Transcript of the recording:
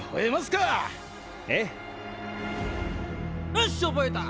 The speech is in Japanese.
よし覚えた！